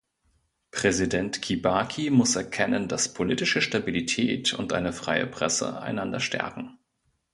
Präsident Kibaki muss erkennen, dass politische Stabilität und eine freie Presse einander stärken.